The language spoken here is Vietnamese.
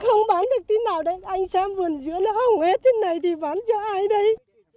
không bán được tí nào đấy anh xem vườn dứa nó hổng hết thế này thì bán cho ai đấy